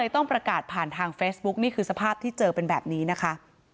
ต้องประกาศผ่านทางเฟซบุ๊คนี่คือสภาพที่เจอเป็นแบบนี้นะคะ